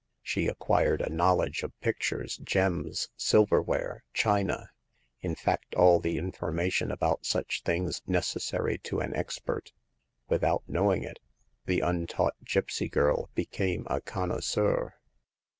She acquired a knowledge of pictures, gems, silver ware, china — in fact, all the information about such things necessary to an expert. Without knowing it, the untaught gipsy girl became a connoisseur.